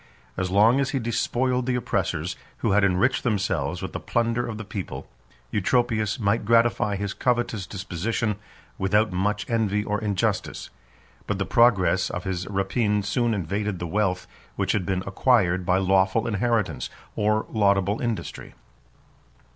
10 As long as he despoiled the oppressors, who had enriched themselves with the plunder of the people, Eutropius might gratify his covetous disposition without much envy or injustice: but the progress of his rapine soon invaded the wealth which had been acquired by lawful inheritance, or laudable industry.